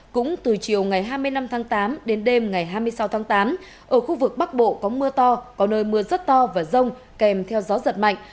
cũng từ chiều ngày hai mươi năm tháng tám đến đêm ngày hai mươi sáu tháng tám ở khu vực bắc bộ có mưa to có nơi mưa rất to và rông kèm theo gió giật mạnh